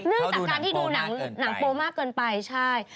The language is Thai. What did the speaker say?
เรื่องจากการที่ดูหนังโปรมากเกินไปใช่